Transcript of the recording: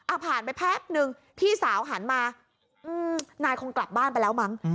ผ่านไปแพ็บนึงพี่สาวหันมาอืมนายคงกลับบ้านไปแล้วมั้ง